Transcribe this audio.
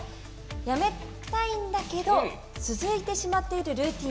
やめたいんだけど続いてしまっているルーティン。